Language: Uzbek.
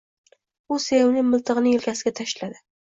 U sevimli miltig’ini yelkasiga tashladi.